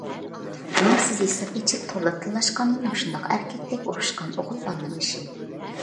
نامسىز ھېساپ ئېچىپ توردا تىللاشقاندىن مۇشۇنداق ئەركەكتەك ئۇرۇشقان ئوغۇل بالىنىڭ ئىشى.